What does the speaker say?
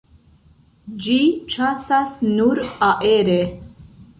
Ĝi ĉasas nur aere.